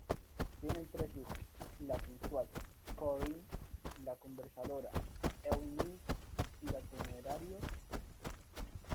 Tienen tres hijos: la sensual Corinne, la conservadora Eunice y el temerario Billy.